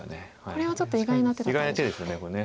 これはちょっと意外な手だったんですね。